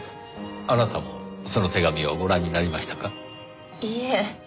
あなたもその手紙をご覧になりましたか？いいえ。